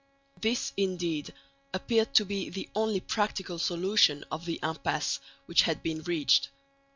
This indeed appeared to be the only practical solution of the impasse which had been reached.